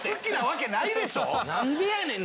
何でやねん！